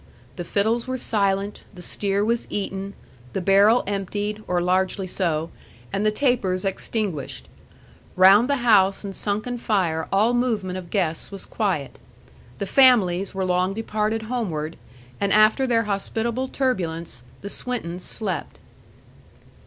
The fiddles were silent, the steer was eaten, the barrel emptied, or largely so, and the tapers extinguished; round the house and sunken fire all movement of guests was quiet; the families were long departed homeward, and after their hospitable turbulence, the Swintons slept.